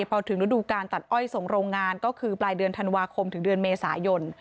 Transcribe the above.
พอถึงฤดูการตัดอ้อยส่งโรงงานก็คือปลายเดือนธันวาคมถึงเดือนเมษายน